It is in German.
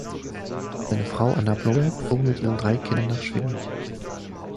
Seine Frau Anna Blomberg floh mit ihren drei Kindern nach Schweden.